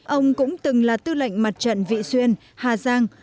ông cũng từng là tư lệnh mặt trận vị xuyên hà giang